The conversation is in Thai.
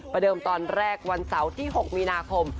เดิมตอนแรกวันเสาร์ที่๖มีนาคม